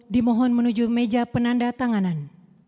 dimohon menuju meja penandatanganan